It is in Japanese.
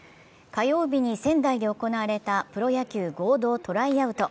火曜日に仙台で行われたプロ野球合同トライアウト。